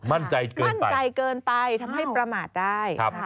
มั่นใจเกินไปทำให้ประมาทได้